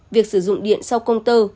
việc sử dụng điện sau công tơ